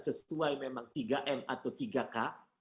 sesuai memang tiga m atau tiga k